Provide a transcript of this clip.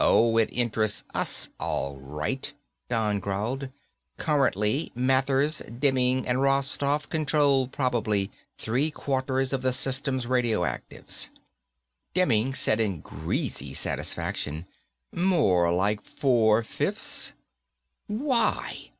"Oh, it interests us, all right," Don growled. "Currently, Mathers, Demming and Rostoff control probably three quarters of the system's radioactives." Demming said in greasy satisfaction, "More like four fifths." "Why?"